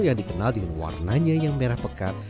yang dikenal dengan warnanya yang merah pekat